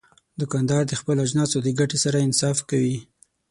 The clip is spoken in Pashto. دوکاندار د خپلو اجناسو د ګټې سره انصاف کوي.